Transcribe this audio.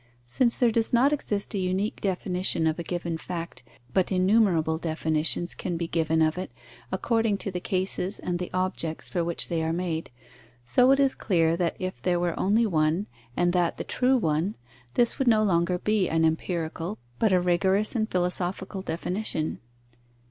Since there does not exist a unique definition of a given fact, but innumerable definitions can be given of it, according to the cases and the objects for which they are made, so it is clear that if there were only one, and that the true one, this would no longer be an empirical, but a rigorous and philosophical definition.